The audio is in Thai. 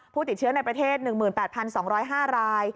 ผู้ติดเชื้อในประเทศ๑๘๒๐๕ราย